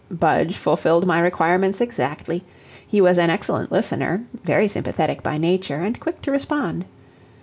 Budge fulfilled my requirements exactly; he was an excellent listener, very sympathetic by nature, and quick to respond.